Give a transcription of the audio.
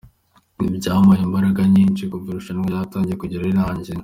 Ibyo byampaye imbaraga nyinshi kuva irushanwa ritangiye kugera rirangiye.